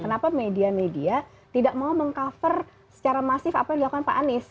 kenapa media media tidak mau meng cover secara masif apa yang dilakukan pak anies